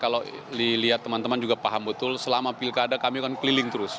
kalau dilihat teman teman juga paham betul selama pilkada kami akan keliling terus